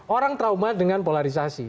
orang trauma dengan polarisasi